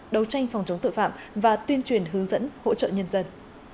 đấu tranh phòng chống tội phạm và tuyên truyền hướng dẫn hỗ trợ nhân dân